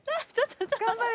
頑張れ。